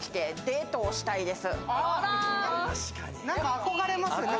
憧れますね。